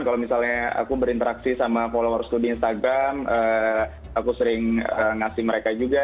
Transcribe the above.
kalau misalnya aku berinteraksi sama followers co di instagram aku sering ngasih mereka juga